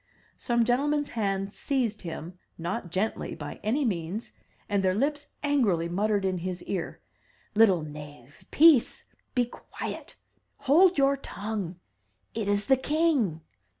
'' Some gentlemen's hands seized him, not gently by any means, and their lips angrily muttered in his ear, "Little knave, peace! be quiet! hold your tongue! It is the king!''